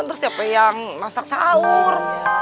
terus siapa yang masak sahur